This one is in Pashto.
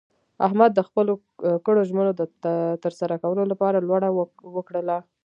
احمد د خپلو کړو ژمنو د ترسره کولو لپاره لوړه وکړله.